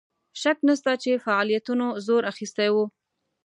شک نسته چې فعالیتونو زور اخیستی وو.